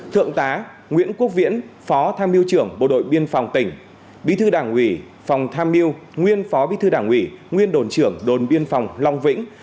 thượng tá nguyễn quốc viễn phó tham mưu trưởng bộ đội biên phòng tỉnh bí thư đảng ủy phòng tham mưu nguyên phó bí thư đảng ủy nguyên đồn trưởng đồn biên phòng long vĩnh